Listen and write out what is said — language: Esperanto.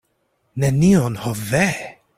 Nenion, ho ve!